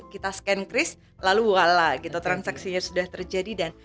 kita scan cris lalu wala gitu transaksinya sudah terjadi dan